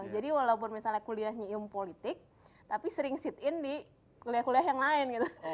jadi walaupun misalnya kuliahnya ilmu politik tapi sering sit in di kuliah kuliah yang lain gitu